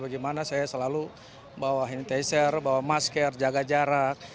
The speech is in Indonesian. bagaimana saya selalu bawa hand sanitizer bawa masker jaga jarak